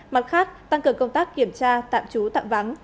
mặt khác tăng cường công tác kiểm tra tạm trú tạm vắng